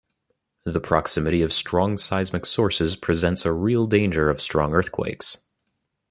The proximity of strong seismic sources presents a real danger of strong earthquakes.